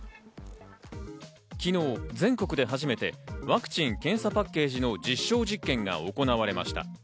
昨日、全国で初めてワクチン・検査パッケージの実証実験が行われました。